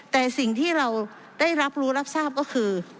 แต่สิ่งที่เราได้รับรู้รับทราบก็คือ